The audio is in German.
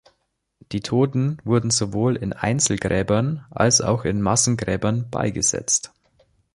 Die Toten wurden sowohl in Einzelgräbern, als auch in Massengräbern beigesetzt.